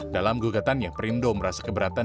dalam gugatannya perindo merasa keberatan